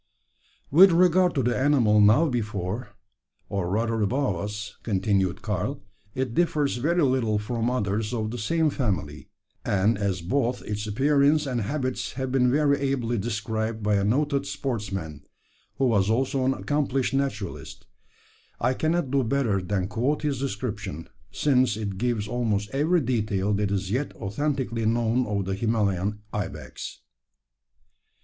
"With regard to the animal now before, or rather above us," continued Karl, "it differs very little from others of the same family; and as both its appearance and habits have been very ably described by a noted sportsman, who was also an accomplished naturalist, I cannot do better than quote his description: since it gives almost every detail that is yet authentically known of the Himalayan ibex.